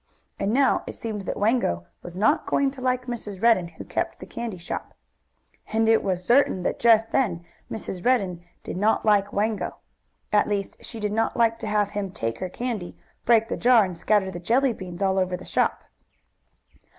And now it seemed that Wango was not going to like Mrs. Redden, who kept the candy shop. And it was certain that, just then, Mrs. Redden did not like Wango; at least she did not like to have him take her candy, break the jar and scatter the jelly beans all over the shop.